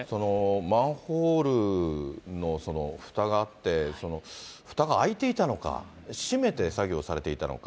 マンホールのふたがあって、そのふたが開いていたのか、閉めて作業をされていたのか。